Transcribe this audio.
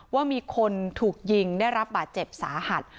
ว่ามีคนถูกยิงได้รับบาดเจ็บสาหัส